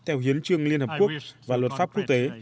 theo hiến trương liên hợp quốc và luật pháp quốc tế